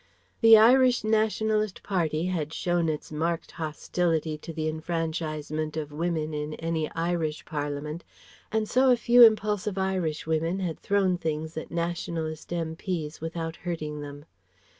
The Irish Nationalist Party had shown its marked hostility to the enfranchisement of women in any Irish Parliament and so a few impulsive Irish women had thrown things at Nationalist M.P.'s without hurting them.